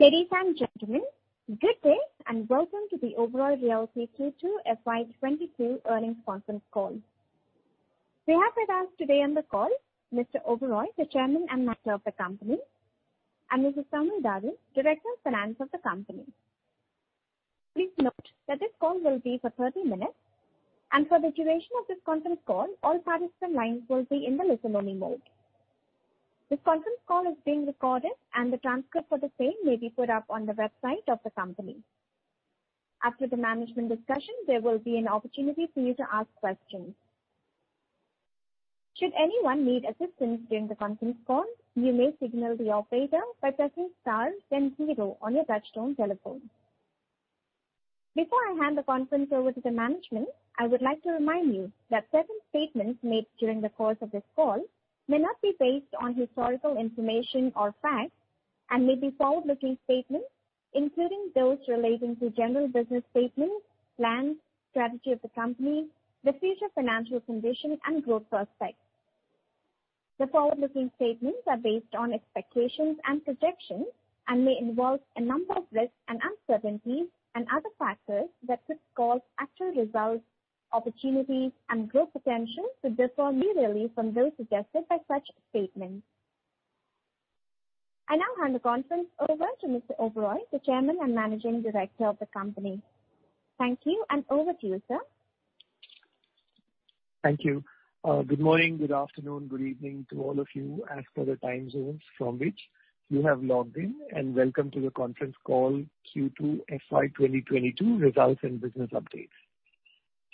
Ladies and gentlemen, good day, and welcome to the Oberoi Realty Q2 FY 2022 Earnings Conference Call. We have with us today on the call Mr. Oberoi, the Chairman and Managing Director of the company, and Mr. Saumil Daru, Director of Finance of the company. Please note that this call will be for 30 minutes, and for the duration of this conference call, all participants' lines will be in the listen-only mode. This conference call is being recorded and a transcript for the same may be put up on the website of the company. After the management discussion, there will be an opportunity for you to ask questions. Should anyone need assistance during the conference call, you may signal the operator by pressing star then zero on your touchtone telephone. Before I hand the conference over to the management, I would like to remind you that certain statements made during the course of this call may not be based on historical information or fact and may be forward-looking statements, including those relating to general business statements, plans, strategy of the company, the future financial condition and growth prospects. The forward-looking statements are based on expectations and projections and may involve a number of risks and uncertainties and other factors that could cause actual results, opportunities and growth potential to differ materially from those suggested by such statements. I now hand the conference over to Mr. Oberoi, the Chairman and Managing Director of the company. Thank you, and over to you, sir. Thank you. Good morning, good afternoon, good evening to all of you as per the time zones from which you have logged in, and welcome to the conference call Q2 FY 2022 results and business updates.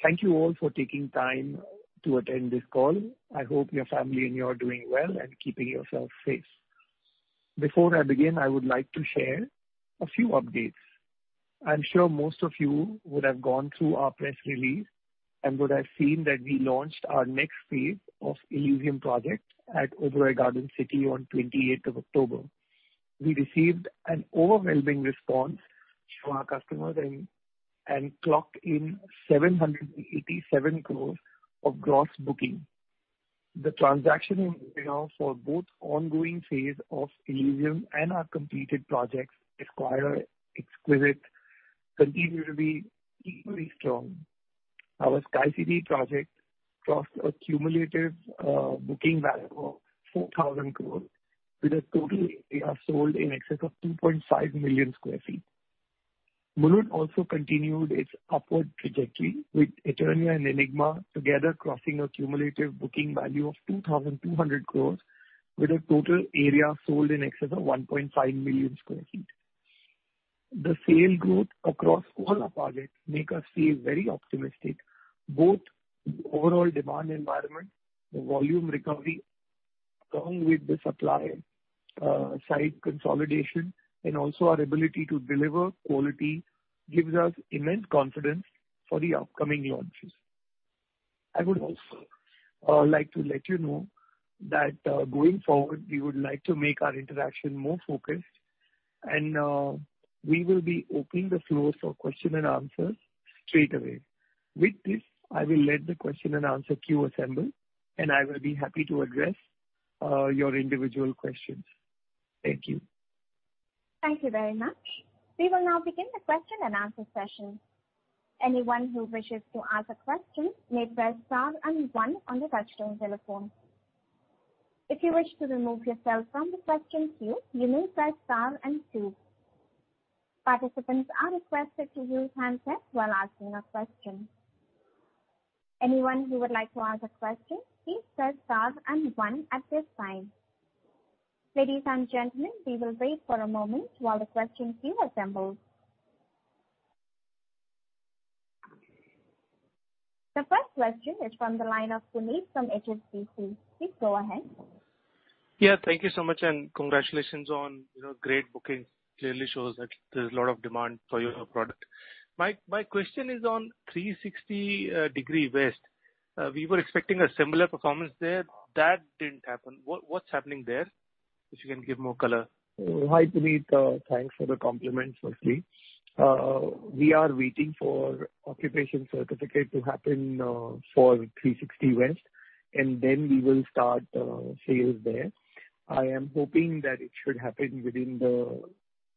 Thank you all for taking time to attend this call. I hope your family and you are doing well and keeping yourself safe. Before I begin, I would like to share a few updates. I'm sure most of you would have gone through our press release and would have seen that we launched our next phase of Elysian project at Oberoi Garden City on 28th of October. We received an overwhelming response from our customers and clocked in 787 crore of gross booking. The transactions now for both ongoing phase of Elysian and our completed projects, including Exquisite, continue to be equally strong. Our Sky City project crossed a cumulative booking value of 4,000 crore with a total area sold in excess of 2.5 million sq ft. Mulund also continued its upward trajectory with Eternia and Enigma together crossing a cumulative booking value of 2,200 crore with a total area sold in excess of 1.5 million sq ft. The sale growth across all our products make us feel very optimistic, both overall demand environment, the volume recovery, along with the supply, site consolidation and also our ability to deliver quality gives us immense confidence for the upcoming launches. I would also like to let you know that going forward, we would like to make our interaction more focused and we will be opening the floors for question and answers straightaway. With this, I will let the question and answer queue assemble, and I will be happy to address your individual questions. Thank you. Thank you very much. We will now begin the question and answer session. Anyone who wishes to ask a question may press star and one on the touchtone telephone. If you wish to remove yourself from the question queue, you may press star and two. Participants are requested to use handset while asking a question. Anyone who would like to ask a question, please press star and one at this time. Ladies and gentlemen, we will wait for a moment while the question queue assembles. The first question is from the line of Puneet from HSBC. Please go ahead. Yeah. Thank you so much, and congratulations on, you know, great booking. Clearly shows that there's a lot of demand for your product. My question is on Three Sixty West. We were expecting a similar performance there. That didn't happen. What's happening there? If you can give more color. Hi, Puneet. Thanks for the compliment, firstly. We are waiting for occupation certificate to happen for Three Sixty West, and then we will start sales there. I am hoping that it should happen within the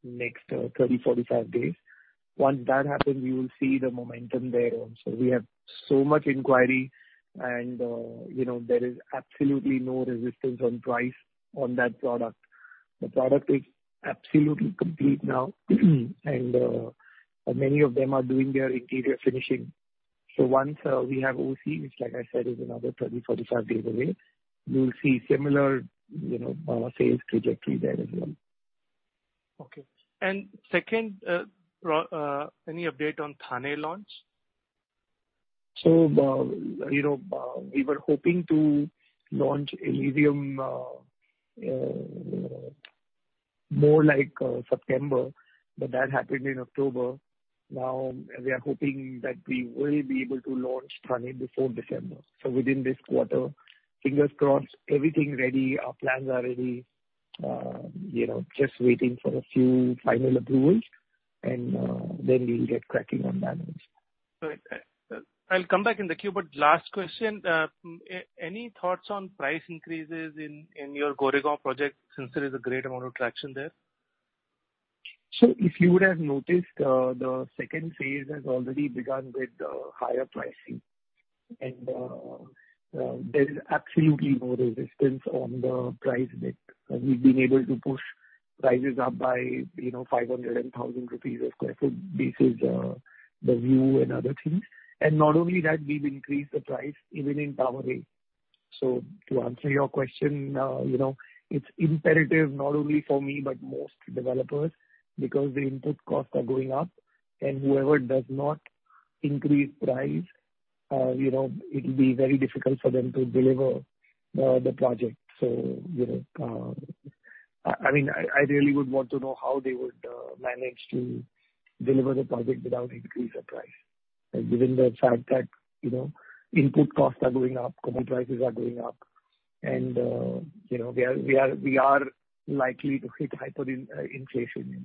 next 30-45 days. Once that happens, we will see the momentum there also. We have so much inquiry and you know, there is absolutely no resistance on price on that product. The product is absolutely complete now and many of them are doing their interior finishing. Once we have OC, which like I said is another 30-45 days away, we will see similar you know sales trajectory there as well. Okay. Second, Pro, any update on Thane launch? you know, we were hoping to launch Elysian more like September, but that happened in October. Now we are hoping that we will be able to launch Thane before December. within this quarter. Fingers crossed. Everything ready. Our plans are ready. you know, just waiting for a few final approvals and, then we'll get cracking on that one. Right. I'll come back in the queue. Last question. Any thoughts on price increases in your Goregaon project since there is a great amount of traction there? If you would have noticed, the second Phase has already begun with higher pricing and there is absolutely no resistance on the price mix. We've been able to push prices up by, you know, 500-1,000 rupees per sq ft basis, the view and other things. Not only that, we've increased the price even in Powai. To answer your question, you know, it's imperative not only for me but most developers because the input costs are going up and whoever does not increase price, you know, it'll be very difficult for them to deliver the project. You know, I mean, I really would want to know how they would manage to deliver the project without increase of price, given the fact that, you know, input costs are going up, commodity prices are going up, and, you know, we are likely to hit hyperinflation.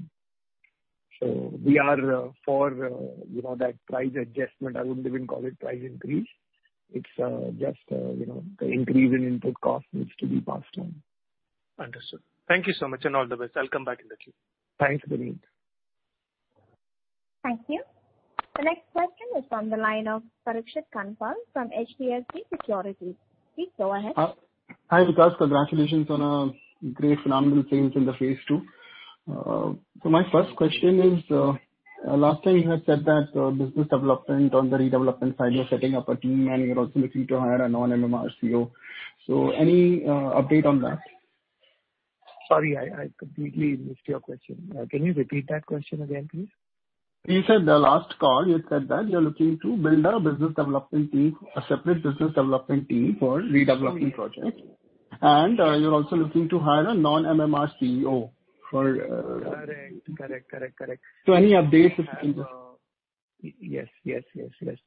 We are for, you know, that price adjustment. I wouldn't even call it price increase. It's just, you know, the increase in input cost needs to be passed on. Understood. Thank you so much and all the best. I'll come back in the queue. Thanks, Puneet. Thank you. The next question is on the line of Parikshit Kandpal from HDFC Securities. Please go ahead. Hi, Vikas. Congratulations on a great phenomenal sales in the phase II. My first question is, last time you had said that business development on the redevelopment side, you're setting up a team, and you're also looking to hire a non-MMR CEO. Any update on that? Sorry, I completely missed your question. Can you repeat that question again, please? You said the last call, you said that you're looking to build a business development team, a separate business development team for redevelopment projects. Mm-hmm. You're also looking to hire a non-MMR CEO for Correct. Any updates? Yes.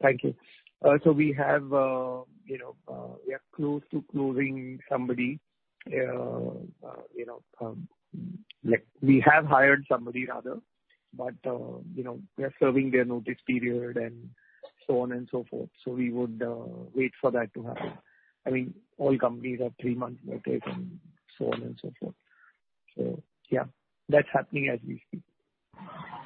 Thank you. We have, you know, we are close to closing somebody. You know, like we have hired somebody rather, but, you know, they're serving their notice period and so on and so forth. We would wait for that to happen. I mean, all companies have three-month notice and so on and so forth. Yeah, that's happening as we speak.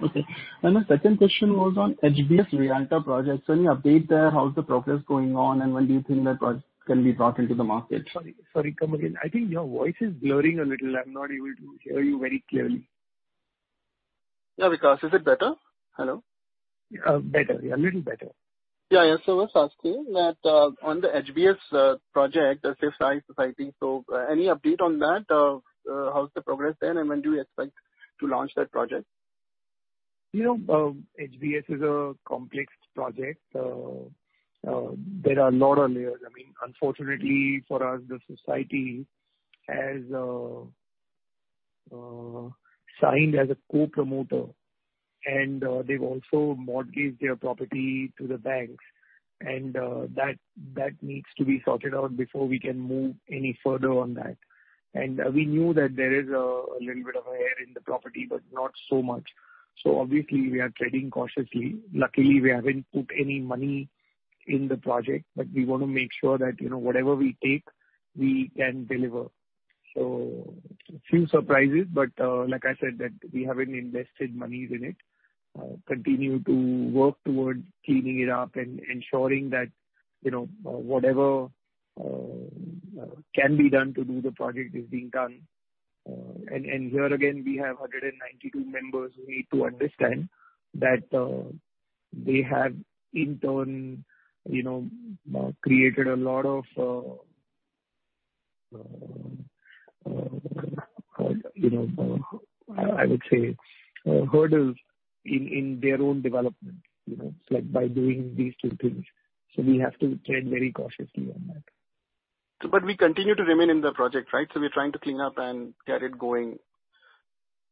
Okay. The second question was on HBS Rialto project. Any update there? How's the progress going on, and when do you think that project can be brought into the market? Sorry. Sorry, come again. I think your voice is blurring a little. I'm not able to hear you very clearly. Yeah, Vikas. Is it better? Hello? Better. Yeah, a little better. Yeah. I was asking that on the HBS project, the Shivsai society. Any update on that? How's the progress there, and when do you expect to launch that project? You know, HBS is a complex project. There are a lot of layers. I mean, unfortunately for us, the society has signed as a co-promoter and, they've also mortgaged their property to the banks and, that needs to be sorted out before we can move any further on that. We knew that there is a little bit of a hair in the property, but not so much. Obviously we are treading cautiously. Luckily, we haven't put any money in the project, but we wanna make sure that, you know, whatever we take, we can deliver. Few surprises, but, like I said, that we haven't invested monies in it. Continue to work towards cleaning it up and ensuring that, you know, whatever can be done to do the project is being done. Here again, we have 192 members who need to understand that they have in turn, you know, created a lot of, you know, I would say, hurdles in their own development, you know, like by doing these two things. We have to tread very cautiously on that. We continue to remain in the project, right? We're trying to clean up and get it going.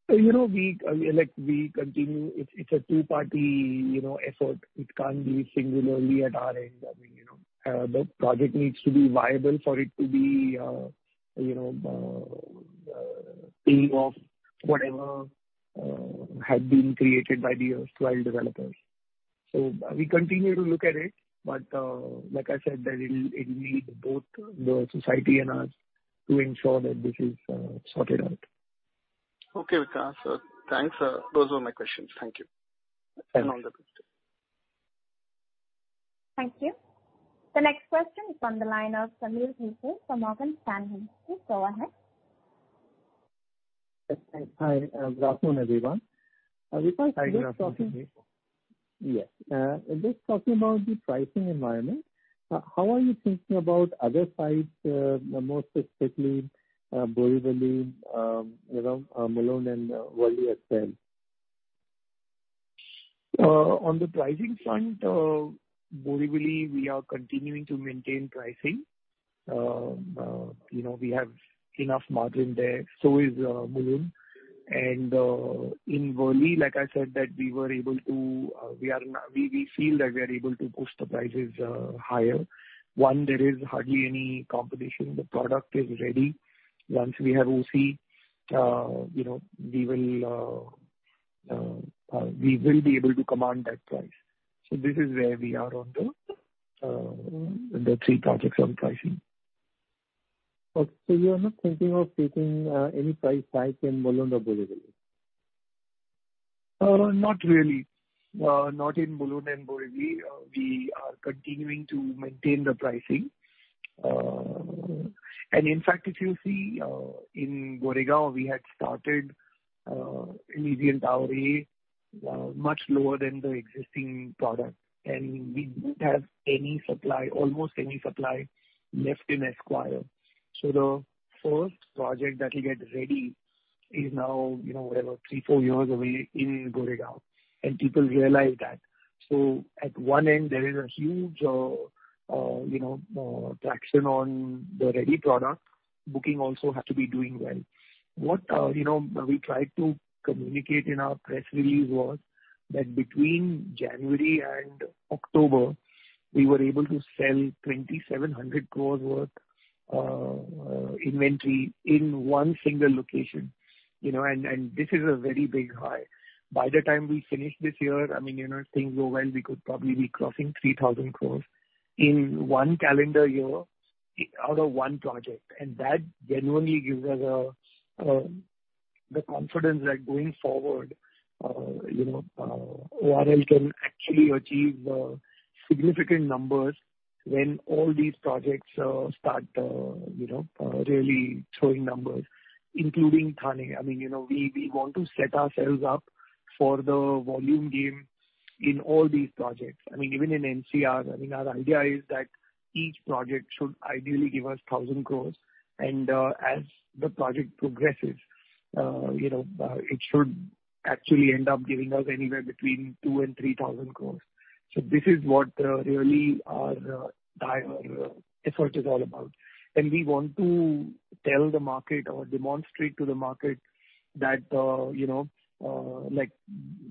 You know, we like we continue. It's a two-party, you know, effort. It can't be singularly at our end. I mean, you know, the project needs to be viable for it to be, you know, paying off whatever had been created by the erstwhile developers. We continue to look at it, but like I said, it'll need both the society and us to ensure that this is sorted out. Okay, Vikas. Thanks. Those were my questions. Thank you. Thank you. All the best. Thank you. The next question is on the line of Sameer Baisiwala from Morgan Stanley. Please go ahead. Hi. Good afternoon, everyone. Vikas- Hi, good afternoon. Just talking about the pricing environment, how are you thinking about other sites, more specifically, Borivali, you know, Mulund and Worli SL? On the pricing front, Borivali, we are continuing to maintain pricing. You know, we have enough margin there. So is Mulund. In Worli, like I said, we feel that we are able to push the prices higher. One, there is hardly any competition. The product is ready. Once we have OC, you know, we will be able to command that price. This is where we are on the three projects on pricing. Okay. You're not thinking of taking any price hike in Mulund or Borivali? Not really. Not in Mulund and Borivali. We are continuing to maintain the pricing. In fact, if you see, in Goregaon, we had started Elysian Tower A much lower than the existing product, and we didn't have any supply, almost any supply left in Esquire. The first project that will get ready is now, you know, whatever, three, four years away in Goregaon, and people realize that. At one end, there is a huge, you know, traction on the ready product. Booking also has to be doing well. What, you know, we tried to communicate in our press release was that between January and October, we were able to sell 2,700 crores worth inventory in one single location, you know, and this is a very big high. By the time we finish this year, I mean, you know, if things go well, we could probably be crossing 3,000 crores in one calendar year out of one project. That genuinely gives us the confidence that going forward, you know, ORL can actually achieve significant numbers when all these projects start really showing numbers, including Thane. I mean, you know, we want to set ourselves up for the volume game in all these projects. I mean, even in NCR, our idea is that each project should ideally give us 1,000 crores, and as the project progresses, you know, it should actually end up giving us anywhere between 2,000 crores and 3,000 crores. This is what really our drive effort is all about. We want to tell the market or demonstrate to the market that, you know, like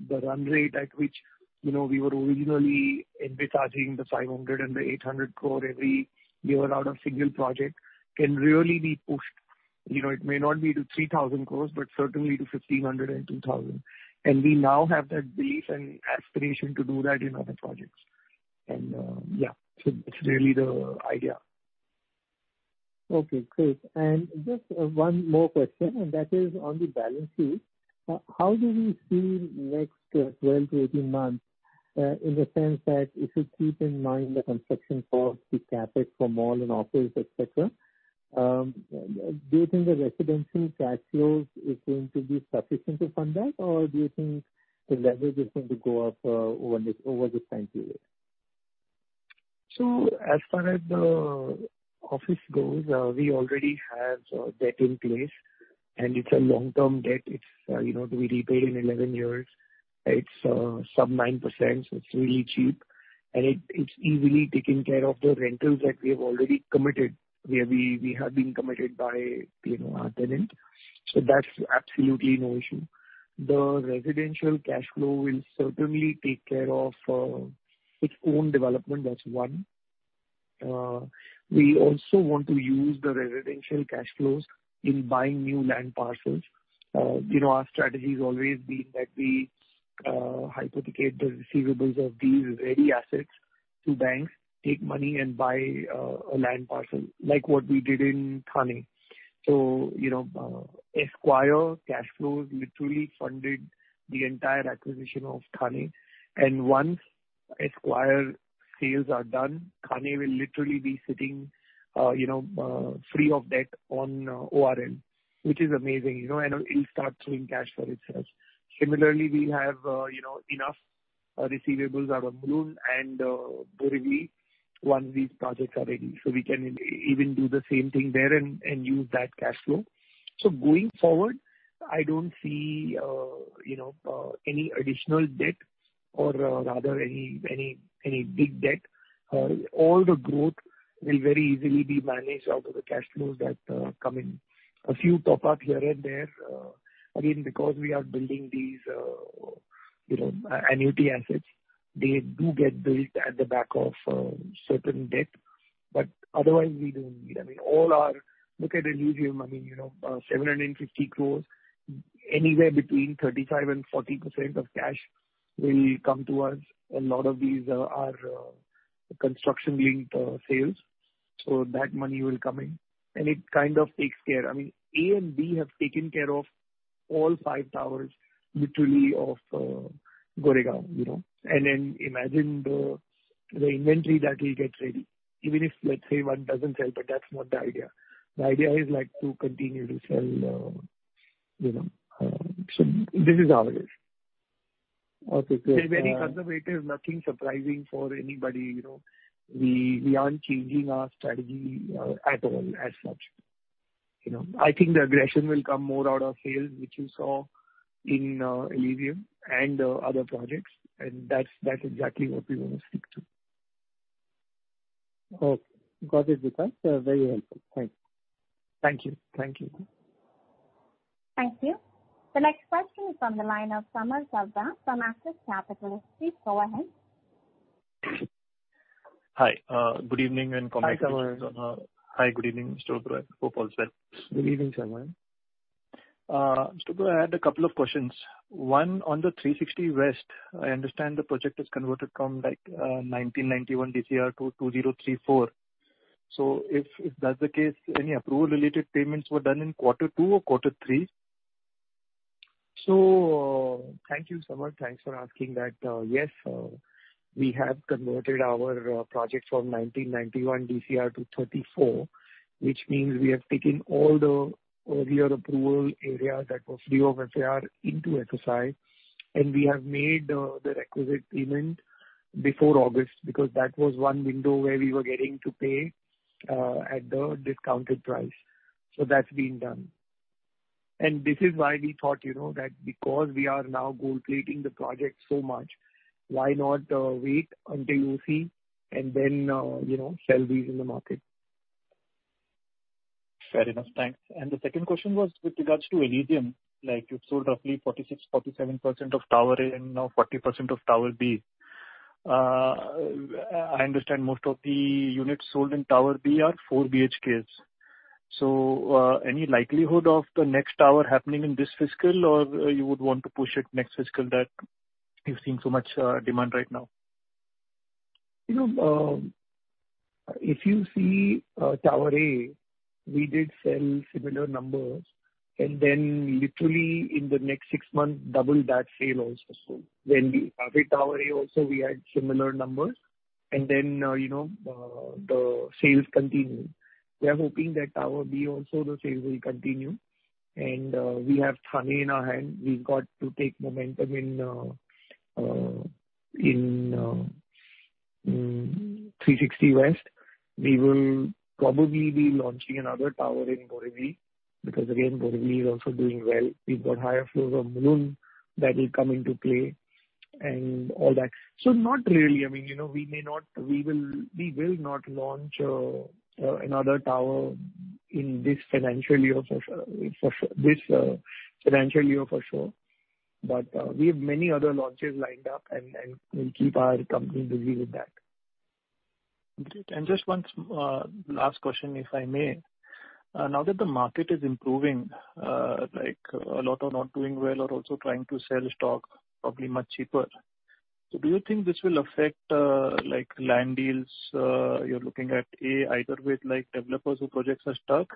the run rate at which, you know, we were originally envisaging the 500 crore and the 800 crore every year out of single project can really be pushed. You know, it may not be to 3,000 crores, but certainly to 1,500 crore and 2,000 crore. We now have that belief and aspiration to do that in other projects. Yeah, it's really the idea. Okay, great. Just one more question, and that is on the balance sheet. How do we see next 12-18 months, in the sense that if you keep in mind the construction cost, the CapEx from mall and office, et cetera, do you think the residential cash flows is going to be sufficient to fund that? Or do you think the leverage is going to go up over this time period? As far as the office goes, we already have debt in place, and it's a long-term debt. It's you know, to be repaid in 11-years. It's sub 9%, so it's really cheap, and it's easily taking care of the rentals that we have already committed, where we have been committed by you know, our tenant. That's absolutely no issue. The residential cash flow will certainly take care of its own development. That's one. We also want to use the residential cash flows in buying new land parcels. You know, our strategy has always been that we hypothecate the receivables of these ready assets to banks, take money and buy a land parcel, like what we did in Thane. You know, Esquire cash flows literally funded the entire acquisition of Thane. Once Esquire sales are done, Thane will literally be sitting, you know, free of debt on ORL, which is amazing, you know, and it'll start throwing cash for itself. Similarly, we have, you know, enough receivables out of Mulund and Borivali once these projects are ready, so we can even do the same thing there and use that cash flow. Going forward, I don't see, you know, any additional debt or, rather any big debt. All the growth will very easily be managed out of the cash flows that come in. A few pop up here and there. Again, because we are building these, you know, annuity assets, they do get built at the back of certain debt. But otherwise, we don't need. I mean, all our. Look at Elysian, I mean, you know, 750 crore, anywhere between 35%-40% of cash will come to us. A lot of these are construction linked sales. That money will come in, and it kind of takes care. I mean, A and B have taken care of all five towers literally of Goregaon, you know. Then imagine the inventory that will get ready, even if, let's say, one doesn't sell, but that's not the idea. The idea is like to continue to sell, you know. This is how it is. Okay, great. We're very conservative, nothing surprising for anybody, you know. We aren't changing our strategy at all as such, you know. I think the aggression will come more out of sales, which you saw in Elysian and other projects, and that's exactly what we wanna stick to. Okay. Got it, Vikas. Very helpful. Thanks. Thank you. Thank you. Thank you. The next question is from the line of Samar Sarda from Axis Capital. Please go ahead. Hi. Good evening. Hi, Samar. Hi, good evening, Mr. Oberoi. I hope all is well. Good evening, Samar. Mr. Oberoi, I had a couple of questions. One, on the Three Sixty West, I understand the project is converted from, like, 1991 DCR to 2034. If that's the case, any approval related payments were done in quarter two or quarter three? Thank you, Samar. Thanks for asking that. Yes, we have converted our project from 1991 DCR to 2034, which means we have taken all the earlier approval area that was free of FAR into FSI, and we have made the requisite payment before August, because that was one window where we were getting to pay at the discounted price. That's been done. This is why we thought, you know, that because we are now gold plating the project so much, why not wait until you see and then, you know, sell these in the market. Fair enough. Thanks. The second question was with regards to Elysian. Like, you've sold roughly 46%-47% of Tower A and now 40% of Tower B. I understand most of the units sold in Tower B are 4 BHKs. So, any likelihood of the next tower happening in this fiscal or you would want to push it next fiscal that you're seeing so much demand right now? You know, if you see tower A, we did sell similar numbers and then literally in the next six months double that sale also. When we have a tower A, also we had similar numbers. Then you know the sales continue. We are hoping that tower B also the sales will continue. We have Thane in our hand. We've got to take momentum in Three Sixty West. We will probably be launching another tower in Borivali, because again, Borivali is also doing well. We've got higher floors of Mulund that will come into play and all that. Not really. I mean, you know, we may not. We will not launch another tower in this financial year for this financial year for sure. We have many other launches lined up and we'll keep our company busy with that. Great. Just one last question, if I may. Now that the market is improving, like a lot are not doing well or also trying to sell stock probably much cheaper. Do you think this will affect like land deals you're looking at either with like developers or projects are stuck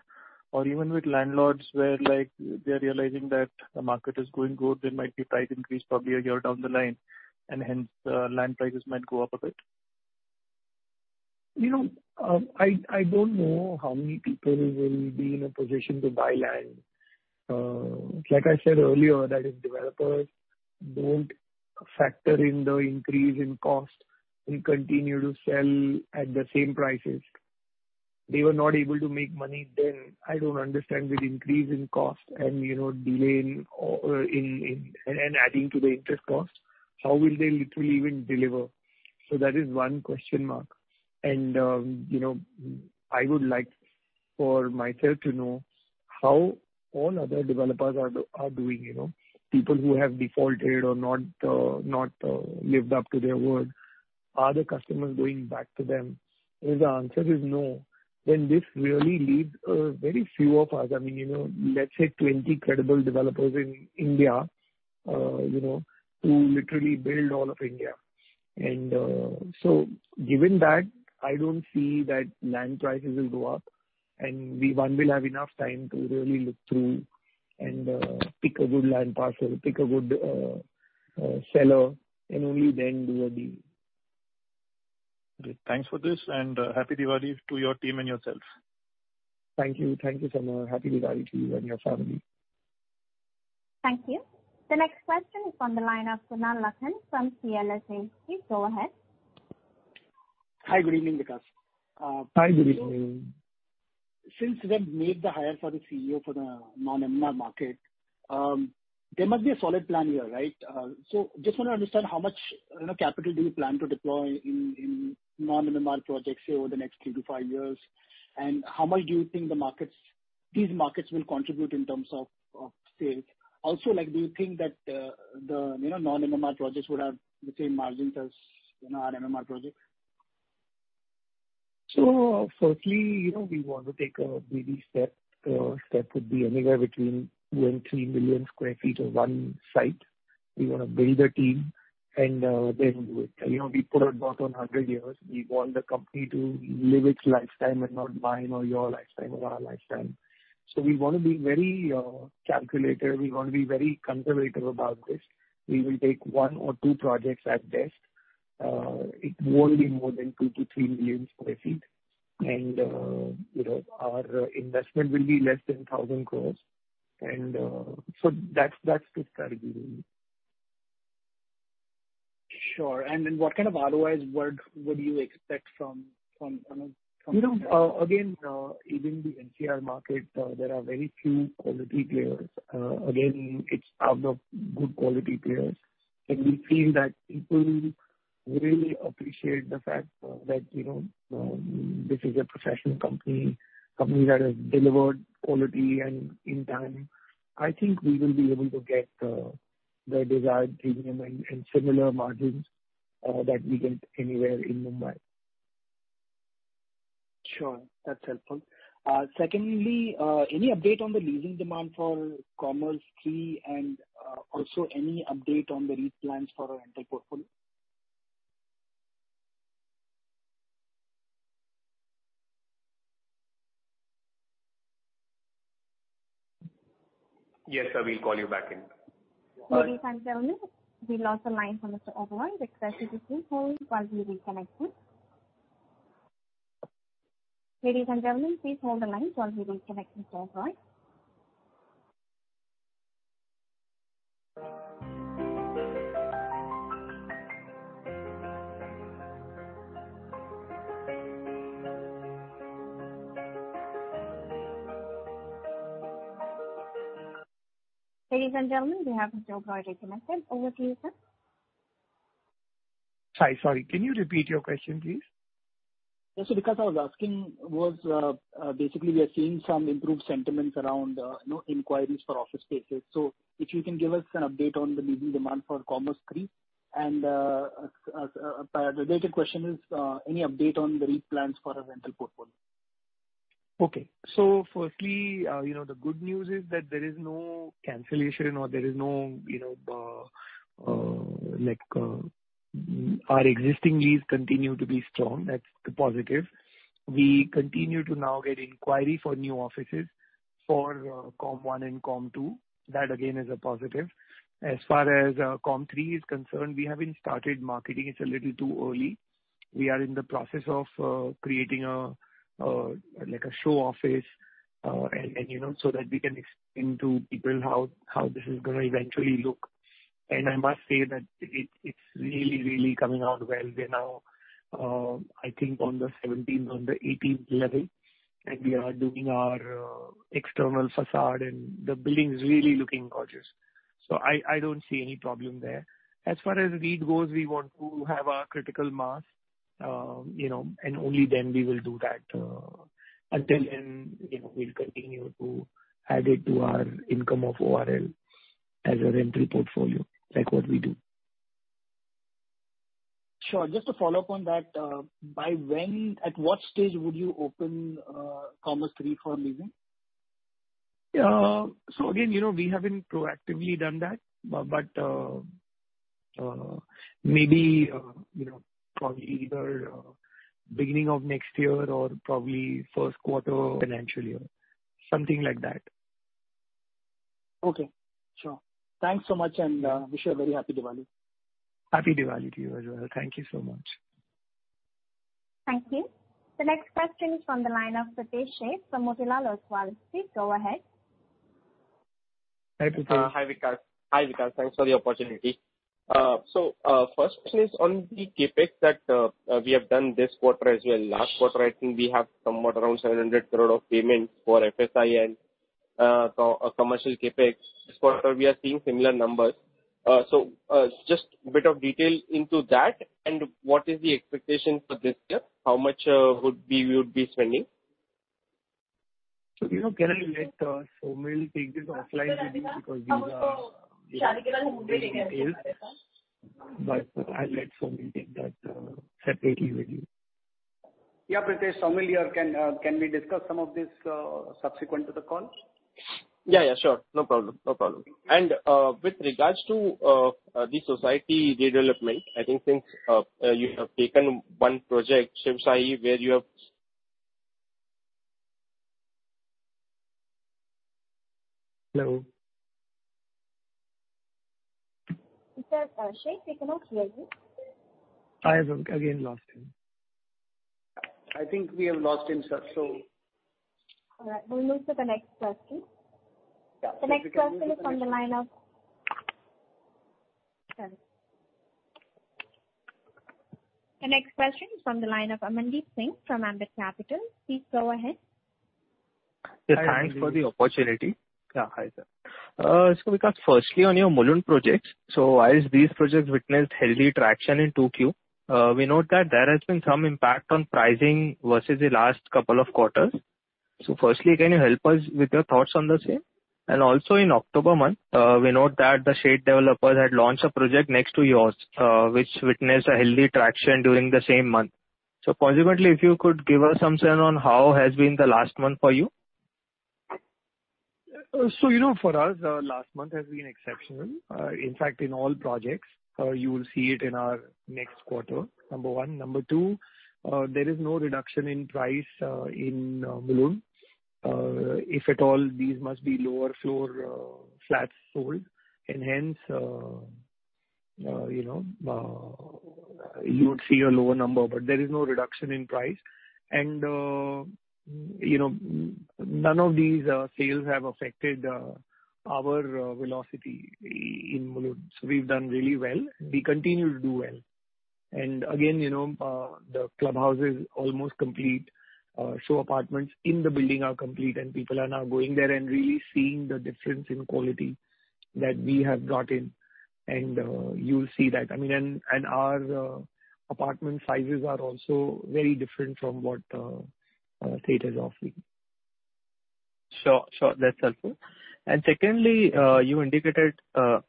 or even with landlords where like they're realizing that the market is doing good, there might be price increase probably a year down the line and hence land prices might go up a bit? You know, I don't know how many people will be in a position to buy land. Like I said earlier that if developers don't factor in the increase in cost and continue to sell at the same prices they were not able to make money then. I don't understand with increase in cost and, you know, delay in and adding to the interest cost, how will they literally even deliver? That is one question mark. I would like for myself to know how all other developers are doing, you know. People who have defaulted or not lived up to their word. Are the customers going back to them? If the answer is no, then this really leaves very few of us. I mean, you know, let's say 20 credible developers in India, you know, to literally build all of India. Given that, I don't see that land prices will go up and we will have enough time to really look through and pick a good land parcel, pick a good seller, and only then do a deal. Great. Thanks for this and happy Diwali to your team and yourself. Thank you. Thank you, Samar. Happy Diwali to you and your family. Thank you. The next question is on the line of Kunal Lakhan from CLSA. Please go ahead. Hi. Good evening, Vikas. Hi, good evening. Since you have made the hire for the CEO for the non-MMR market, there must be a solid plan here, right? So just wanna understand how much, you know, capital do you plan to deploy in non-MMR projects say over the next three to five years? How much do you think the markets, these markets will contribute in terms of sales? Also, like, do you think that the, you know, non-MMR projects would have the same margins as, you know, our MMR projects? Firstly, you know, we want to take a baby step. A step would be anywhere between 2-3 million sq ft of one site. We wanna build a team and then do it. You know, we put our thought on 100 years. We want the company to live its lifetime and not mine or your lifetime or our lifetime. We wanna be very calculated. We wanna be very conservative about this. We will take one or two projects at best. It won't be more than 2-3 million sq ft. You know, our investment will be less than 1,000 crores. That's the strategy really. Sure. What kind of ROIs do you expect from? You know, again, even the NCR market, there are very few quality players. Again, it's out of good quality players, and we feel that people really appreciate the fact that, you know, this is a professional company that has delivered quality and in time. I think we will be able to get the desired premium and similar margins that we get anywhere in Mumbai. Sure. That's helpful. Secondly, any update on the leasing demand for Commerz III and also any update on the lease plans for our entire portfolio? Yes, sir. We'll call you back in. All right. Ladies and gentlemen, we lost the line from Mr. Oberoi. We request you to please hold while we reconnect him. Ladies and gentlemen, please hold the line while we reconnect Mr. Oberoi. Ladies and gentlemen, we have Mr. Oberoi reconnected. Over to you, sir. Hi. Sorry. Can you repeat your question, please? Yes, sir, because I was asking, basically we are seeing some improved sentiments around, you know, inquiries for office spaces. If you can give us an update on the leasing demand for Commerz III, and a related question is any update on the lease plans for our rental portfolio? Okay. Firstly, you know, the good news is that there is no cancellation or, you know, like, our existing lease continue to be strong. That's the positive. We continue to now get inquiry for new offices for Commerz I and Commerz II. That again is a positive. As far as Commerz III is concerned, we haven't started marketing. It's a little too early. We are in the process of creating a like a show office, and you know, so that we can explain to people how this is gonna eventually look. I must say that it's really coming out well. We're now I think on the 17th, on the 18th level, and we are doing our external façade, and the building is really looking gorgeous. I don't see any problem there. As far as land goes, we want to have our critical mass, you know, and only then we will do that. Until then, you know, we'll continue to add it to our income of ORL as a rent portfolio, like what we do. Sure. Just to follow up on that, by when at what stage would you open Commerz III for leasing? Yeah. Again, you know, we haven't proactively done that. But maybe, you know, probably either beginning of next year or probably first quarter financial year, something like that. Okay. Sure. Thanks so much, and wish you a very happy Diwali. Happy Diwali to you as well. Thank you so much. Thank you. The next question is from the line of Pritesh Sheth from Motilal Oswal. Please go ahead. Hi, Pritesh. Hi, Vikas. Thanks for the opportunity. First question is on the CapEx that we have done this quarter as well last quarter. I think we have somewhat around 700 crore of payments for FSI and commercial CapEx. This quarter we are seeing similar numbers. Just a bit of detail into that and what is the expectation for this year? How much would we be spending? You know, can I let Saumil take this offline with you because these are very detailed? I'll let Saumil take that separately with you. Yeah, Pritesh. Saumil, can we discuss some of this subsequent to the call? Yeah. Sure. No problem. With regards to the society redevelopment, I think since you have taken one project, Shiv Sai, where you have Hello? Mr. Sheth, we cannot hear you. I have again lost him. I think we have lost him, sir, so. All right. We'll move to the next question. Yeah. The next question is from the line of Amandeep Singh from Ambit Capital. Please go ahead. Hi, Amandeep. Thanks for the opportunity. Yeah. Hi, sir. Vikas, firstly on your Mulund projects. While these projects witnessed healthy traction in 2Q, we note that there has been some impact on pricing versus the last couple of quarters. Firstly, can you help us with your thoughts on the same? Also in October month, we note that the Sheth Developers had launched a project next to yours, which witnessed a healthy traction during the same month. Consequently, if you could give us some sense on how has been the last month for you. You know, for us, last month has been exceptional. In fact, in all projects, you will see it in our next quarter, number one. Number two, there is no reduction in price in Mulund. If at all, these must be lower floor flats sold, and hence, you know, you would see a lower number. There is no reduction in price. You know, none of these sales have affected our velocity in Mulund. We've done really well. We continue to do well. Again, you know, the clubhouse is almost complete. Show apartments in the building are complete, and people are now going there and really seeing the difference in quality that we have brought in, and you'll see that. I mean, our apartment sizes are also very different from what Sheth is offering. Sure. That's helpful. Secondly, you indicated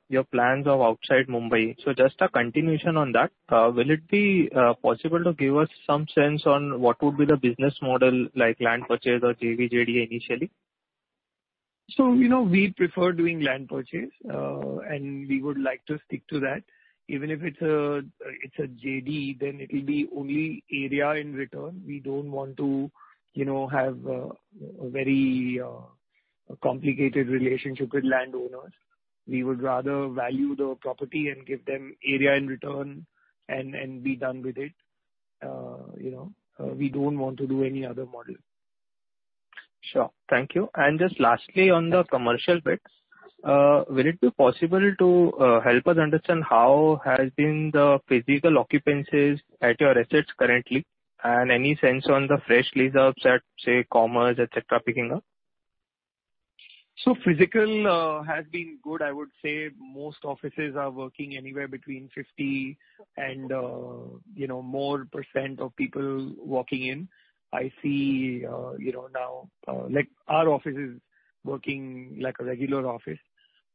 your plans for outside Mumbai. Just a continuation on that, will it be possible to give us some sense on what would be the business model, like land purchase or JV/JDA initially? You know, we prefer doing land purchase, and we would like to stick to that. Even if it's a JDA, then it will be only area in return. We don't want to, you know, have a very complicated relationship with landowners. We would rather value the property and give them area in return and be done with it. You know, we don't want to do any other model. Sure. Thank you. Just lastly, on the commercial bits, will it be possible to help us understand how has been the physical occupancies at your assets currently, and any sense on the fresh lease ups at, say, Commerz, et cetera, picking up? Physical has been good. I would say most offices are working anywhere between 50 and, you know, more percent of people walking in. I see, you know, now, like our office is working like a regular office.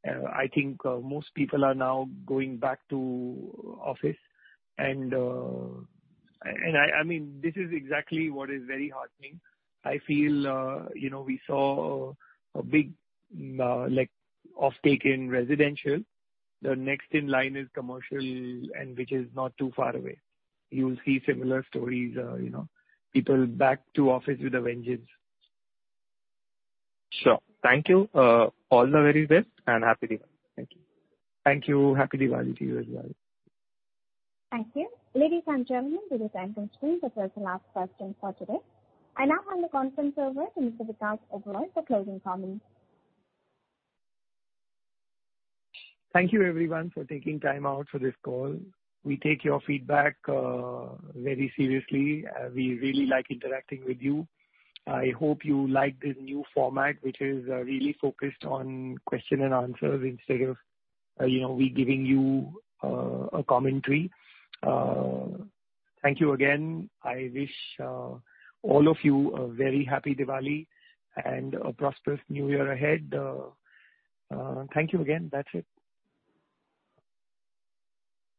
I think, most people are now going back to office and I mean, this is exactly what is very heartening. I feel, you know, we saw a big, like, offtake in residential. The next in line is commercial and which is not too far away. You'll see similar stories, you know, people back to office with a vengeance. Sure. Thank you. All the very best and happy Diwali. Thank you. Thank you. Happy Diwali to you as well. Thank you. Ladies and gentlemen, with this item concluded, that was the last question for today. I now hand the conference over to Mr. Vikas Oberoi for closing comments. Thank you everyone for taking time out for this call. We take your feedback very seriously. We really like interacting with you. I hope you like this new format, which is really focused on question and answers instead of, you know, we giving you a commentary. Thank you again. I wish all of you a very happy Diwali and a prosperous new year ahead. Thank you again. That's it.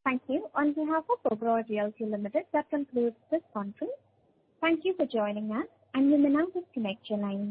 Thank you. On behalf of Oberoi Realty Limited, that concludes this conference. Thank you for joining us, and you may now disconnect your lines.